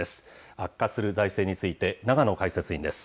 悪化する財政について、永野解説委員です。